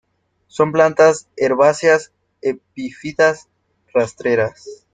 Son plantas herbáceas epífitas, rastreras.